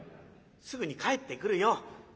すぐに帰ってくるよ」。